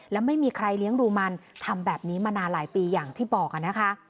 และไม่มีใครเลี้ยงดูมันทำแบบนี้มานานหลายปีอย่างที่บอกนะคะ